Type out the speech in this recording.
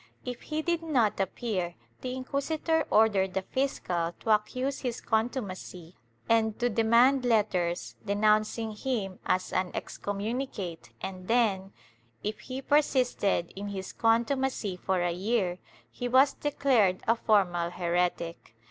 If he did not appear, the inquisitor ordered the fiscal to accuse his contumacy and to demand letters denouncing him as an excommunicate and then, if he persisted in his contumacy for a year, he was declared a formal heretic.